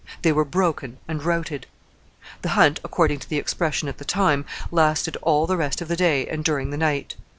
They were broken and routed. The hunt, according to the expression at the time, lasted all the rest of the day and during the night.